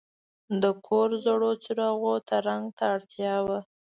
د کور زړو څراغونو ته رنګ ته اړتیا وه.